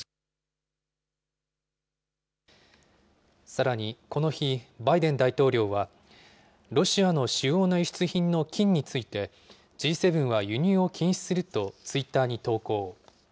さらにこの日、バイデン大統領は、ロシアの主要な輸出品の金について、Ｇ７は輸入を禁止するとツイッターに投稿。